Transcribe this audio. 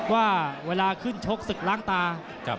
ว่าเวลาขึ้นชกศึกล้างตา